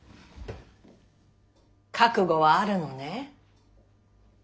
覚悟はあるのね？